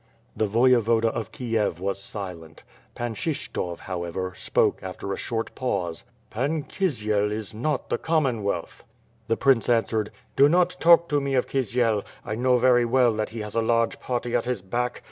The Voyevoda of Kiev was silent. Pan Kshyshtof, how ever, spoke after a shori; pause: "Pan Kisiel is not the Commonwealth." The Prince answered: "Do not talk to me of Kisiel. I know very well that he has a large party at his back.